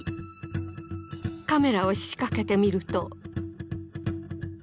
カメラを仕掛けてみると。